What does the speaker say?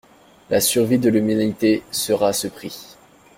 La survie de l’Humanité sera à ce prix.